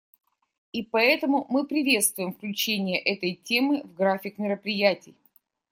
И поэтому мы приветствуем включение этой темы в график мероприятий.